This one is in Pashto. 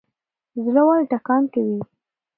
زړه ولې ټکان کوي؟